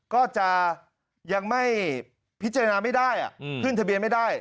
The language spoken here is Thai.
ก็จะยังไม่พิจารณาไม่ได้ขึ้นทะเบียนไม่ได้